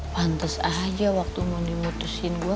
pantes aja waktu mondi putusin gue